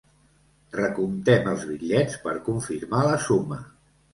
Recomptem els bitllets per confirmar la suma.